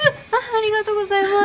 ありがとうございます。